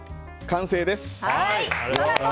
完成です！